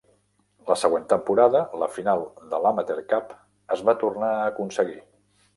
La següent temporada, la final de l'Amateur Cup es va tornar a aconseguir.